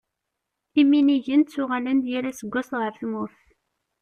Iminigen ttuɣalen-d yal aseggas ɣer tmurt.